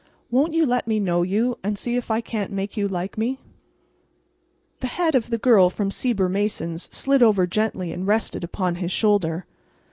Won't you let me know you, and see if I can't make you like me?" The head of the Girl from Sieber Mason's slid over gently and rested upon his shoulder.